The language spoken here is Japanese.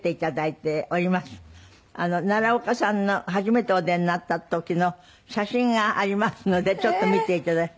奈良岡さんの初めてお出になった時の写真がありますのでちょっと見て頂いて。